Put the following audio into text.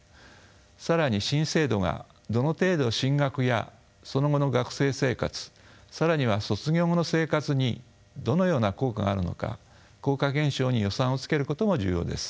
更に新制度がどの程度進学やその後の学生生活更には卒業後の生活にどのような効果があるのか効果検証に予算をつけることも重要です。